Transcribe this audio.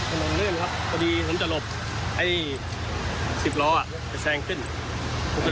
ถนนลื่นครับพอดีผมจะหลบไอ้สิบล้อจะแซงขึ้น